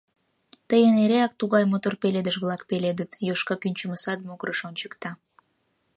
— Тыйын эреак тугай мотор пеледыш-влак пеледыт, — Йошка кӱнчымӧ сад могырыш ончыкта.